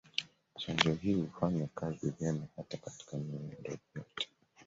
Chanjo hii hufanya kazi vyema hata katika miundo yote.